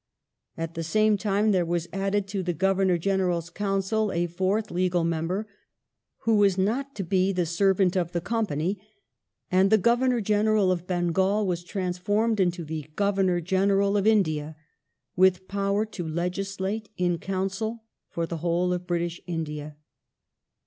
At the same time there was added to the Governor General's Council a fourth (legal) member, who was not to be the servant of the Company, and the Governor General of Bengal w£is transformed into the Governor General of India with power to legislate, in Council, for the whole of British India.